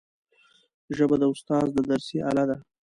ژبه د استاد درسي آله ده